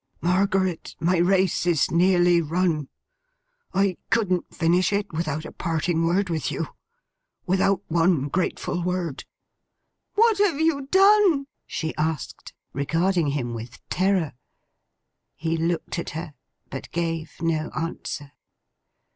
'Margaret, my race is nearly run. I couldn't finish it, without a parting word with you. Without one grateful word.' 'What have you done?' she asked: regarding him with terror. He looked at her, but gave no answer.